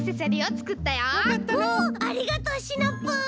ありがとうシナプー！